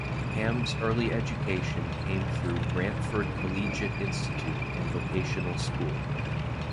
Ham's early education came through Brantford Collegiate Institute and Vocational School.